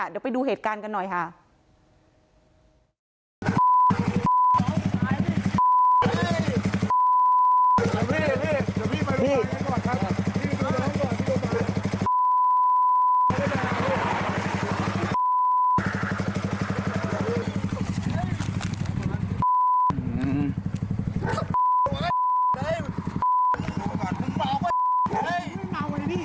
เดี๋ยวไปดูเหตุการณ์กันหน่อยค่ะ